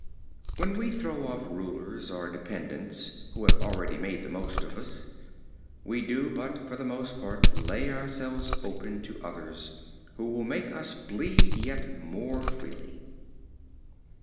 When we throw off rulers or dependents, who have already made the most of us, we do but, for the most part, lay ourselves open to others, who will make us bleed yet more freely.